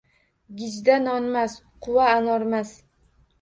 Gijda nonmas, Quva anormas